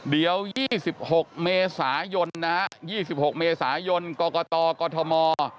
เดี๋ยว๒๖เมษายน๒๖เมษายนกตกม